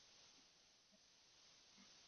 Jengo la mawe.